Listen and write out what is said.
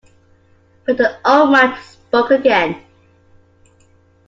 But the old man spoke again.